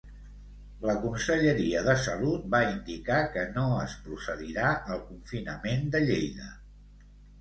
La Conselleria de Salut va indicar que no es procedirà al confinament de Lleida.